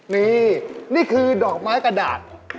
นี่นี่คือดอกไม้กระดาษ